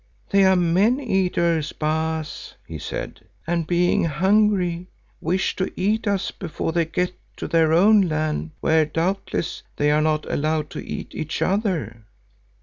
"They are men eaters, Baas," he said, "and being hungry, wish to eat us before they get to their own land where doubtless they are not allowed to eat each other."